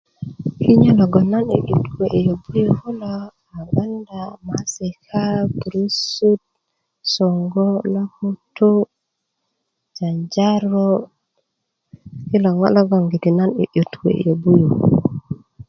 kinyo logon nan 'yu'yut kuwe yöbu ni kulo gbanda maasika burusut soŋgo loputu janjaru' kilo ŋo' logoŋgiti nan 'yu'yut kuwe yobu ni kulo